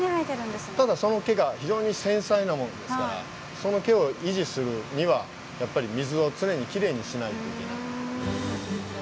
ただその毛が非常に繊細なものですからその毛を維持するにはやっぱり水を常にキレイにしないといけない。